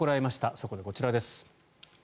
そこでこちらです。